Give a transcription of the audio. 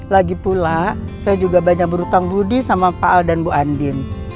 lagi pula saya juga banyak berhutang budi sama pak al dan bu andin